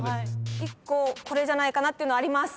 １個これじゃないかなっていうのあります。